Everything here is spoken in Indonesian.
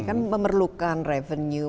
kan memerlukan revenue